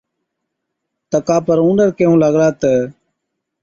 تڪا پر اُونڏر ڪيهُون لاگلا تہ،